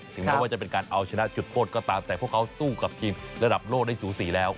แม้ว่าจะเป็นการเอาชนะจุดโทษก็ตามแต่พวกเขาสู้กับทีมระดับโลกได้สูสีแล้ว